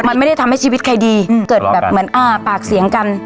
มันไม่ได้ทำให้ชีวิตใครดีเกิดแบบเหมือนอ่าปากเสียงกัน